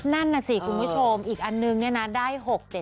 นั่นน่ะสิคุณผู้ชมอีกอันนึงเนี่ยนะได้๖๗